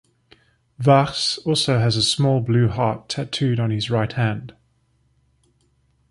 Vachss also has a small blue heart tattooed on his right hand.